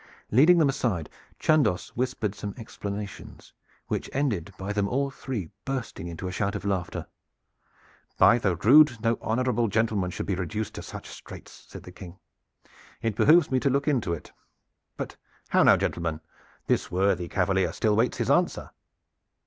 Leading them aside, Chandos whispered some explanations, which ended by them all three bursting into a shout of laughter. "By the rood! no honorable gentleman should be reduced to such straits," said the King. "It behooves me to look to it. But how now, gentlemen? This worthy cavalier still waits his answer."